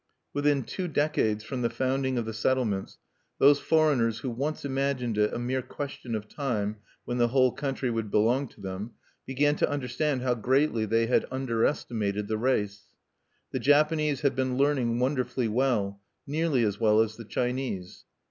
Within two decades from the founding of the settlements, those foreigners who once imagined it a mere question of time when the whole country would belong to them, began to understand how greatly they had underestimated the race. The Japanese had been learning wonderfully well "nearly as well as the Chinese."